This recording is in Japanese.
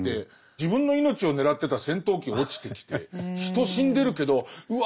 自分の命を狙ってた戦闘機が落ちてきて人死んでるけどうわ